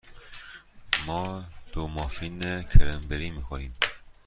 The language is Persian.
ما دو مافین کرنبری می خوریم.